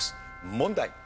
問題。